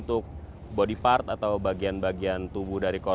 buku tabungan dia